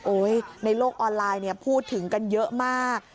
โอ๊ยในโลกออนไลน์พูดถึงกันเยอะมาก